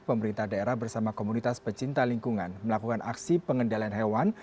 pemerintah daerah bersama komunitas pecinta lingkungan melakukan aksi pengendalian hewan